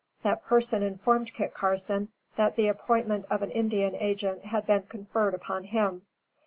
That person informed Kit Carson that the appointment of an Indian Agent had been conferred upon him.